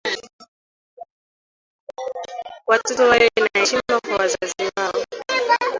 Watoto wawe na heshima kwa wazazi wao.